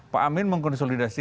pak amin mengkonsolidasi